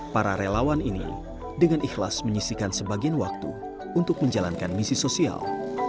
para relawan ini dengan ikhlas menyisikan sebagian waktu untuk menjalankan misi sosial